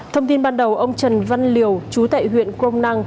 thông tin ban đầu ông trần văn liều chú tại huyện crong nang